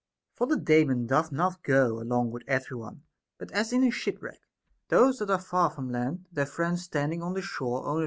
For the Daemon doth not go along with every one ; but as in a shipwreck, those that are far from land their friends standing on the shore only * II.